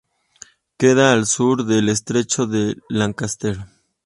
Queda al sur del estrecho de Lancaster.